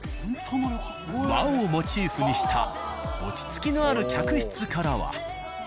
和をモチーフにした落ち着きのある客室からは。